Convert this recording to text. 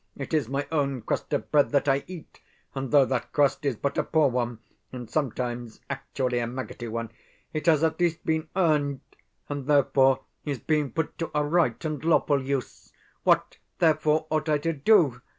It is my own crust of bread that I eat; and though that crust is but a poor one, and sometimes actually a maggoty one, it has at least been EARNED, and therefore, is being put to a right and lawful use. What therefore, ought I to do?